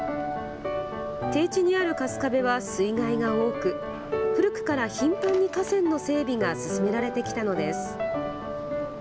低地にある春日部は水害が多く古くから頻繁に河川の整備が進められてきたのです。